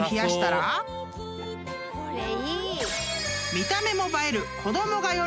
［見た目も映える］